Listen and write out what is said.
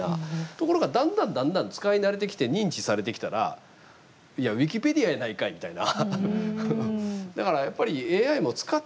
ところが、だんだん、だんだん使い慣れてきて認知されてきたらいや、ウィキペディアやないかいみたいな。